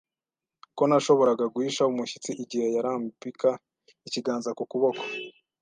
ko nashoboraga guhisha umushyitsi igihe yarambika ikiganza ku kuboko.